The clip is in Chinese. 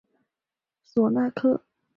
索纳克。